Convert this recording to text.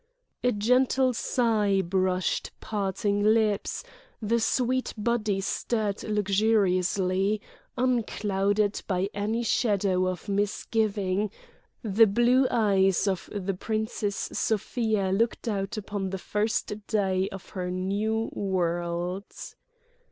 A gentle sigh brushed parting lips; the sweet body stirred luxuriously; unclouded by any shadow of misgiving, the blue eyes of the Princess Sofia looked out upon the first day of her new world.